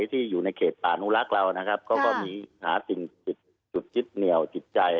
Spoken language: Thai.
ที่อยู่ในเขตป่านุรักษ์เรานะครับเขาก็มีหาสิ่งยึดเหนียวจิตใจ